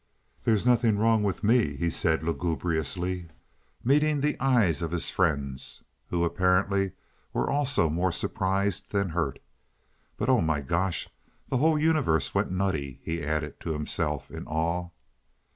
"There's nothing wrong with me," he said lugubriously, meeting the eyes of his friends who apparently were also more surprised than hurt. "But oh, my gosh, the whole universe went nutty!" he added to himself in awe.